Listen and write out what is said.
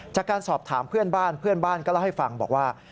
จากการสอบถามเพื่อนบ้านเพื่อนบ้านก็เล่าให้ฟังบอกว่า